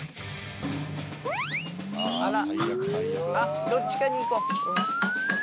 あらあっどっちかに行こう。